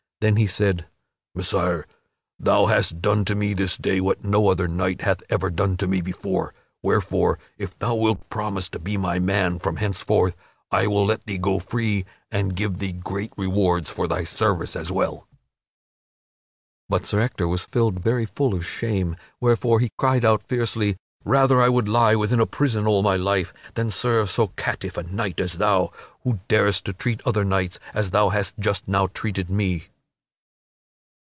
Then he said: "Messire, thou hast done to me this day what no other knight hath ever done to me before, wherefore, if thou wilt promise to be my man from henceforth, I will let thee go free and give thee great rewards for thy services as well." But Sir Ector was filled very full of shame, wherefore he cried out fiercely, "Rather would I lie within a prison all my life than serve so catiff a knight as thou, who darest to treat other knights as thou hast just now treated me."